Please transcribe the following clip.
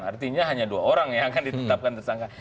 karena hanya dua orang yang akan ditetapkan tersangka